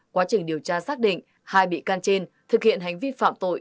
quá trình điều tra xác định hai bị can trên thực hiện hành vi phạm tội